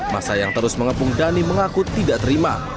masa yang terus mengepung dhani mengaku tidak terima